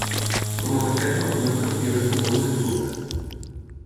Com amateur va guanyar el Campionat del món en ruta.